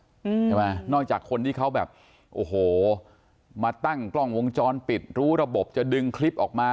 ใช่ไหมนอกจากคนที่เขาแบบโอ้โหมาตั้งกล้องวงจรปิดรู้ระบบจะดึงคลิปออกมา